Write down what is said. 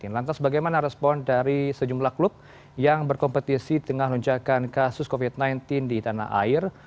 lantas bagaimana respon dari sejumlah klub yang berkompetisi tengah lonjakan kasus covid sembilan belas di tanah air